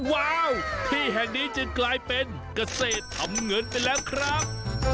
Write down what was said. ว้าวที่แห่งนี้จึงกลายเป็นเกษตรทำเงินไปแล้วครับ